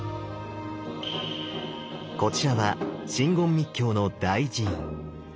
こちらは真言密教の大寺院。